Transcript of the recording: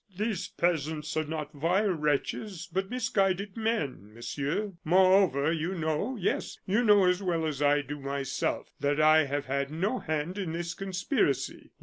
"These peasants are not vile wretches, but misguided men, Monsieur. Moreover, you know yes, you know as well as I do myself that I have had no hand in this conspiracy."